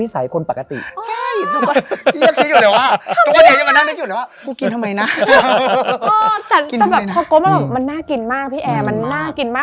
แต่เกิดมามันน่ากินมากพี่แอร์มันน่ากินมาก